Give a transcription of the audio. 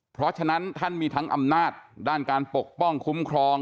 เพราะฉะนั้นท่านมีทั้งอำนาจด้านการปกป้องคุ้มครอง